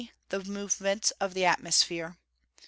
The movements of the atmosphere.